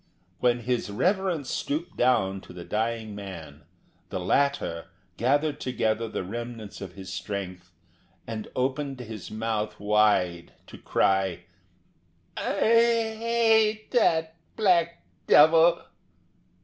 When his reverence stooped down to the dying man, the latter gathered together the remnants of his strength, and opened his mouth wide to cry: "I hate that black devil!"